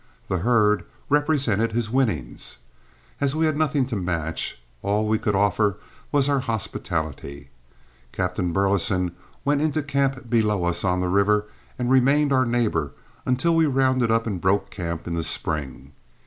The herd represented his winnings. As we had nothing to match, all we could offer was our hospitality. Captain Burleson went into camp below us on the river and remained our neighbor until we rounded up and broke camp in the spring.